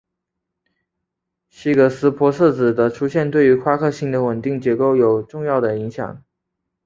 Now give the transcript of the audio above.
希格斯玻色子的出现对于夸克星的稳定结构有重要的影响。